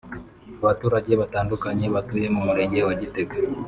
Abaturage batandukanye batuye mu Murenge wa Gitega